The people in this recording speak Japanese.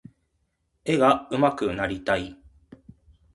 絵が上手くなりたい。